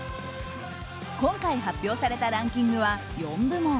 今回、発表されたランキングは４部門。